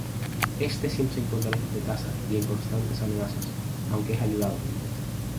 Éste siempre se encuentra lejos de casa y en constantes amenazas, aunque es ayudado.